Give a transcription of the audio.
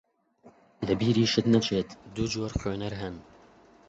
لە بیریشت نەچێت دوو جۆر خوێنەر هەن